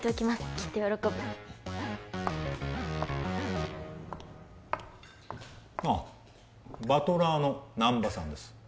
きっと喜ぶああバトラーの難波さんです